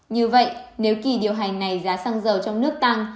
như vậy nếu kỳ điều hành này giá xăng dầu trong nước tăng